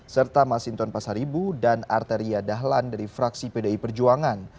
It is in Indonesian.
serta masinton pasaribu dan arteria dahlan dari fraksi pdi perjuangan